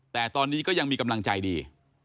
แต่ตอนนี้ก็ยังมีกำลังใจดี